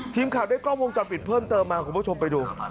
ทีมข่าวได้กล้องวงจรปิดเพิ่มเติมมาคุณผู้ชมไปดู